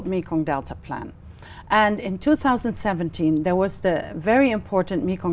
để người dùng để thưởng thức và thông thường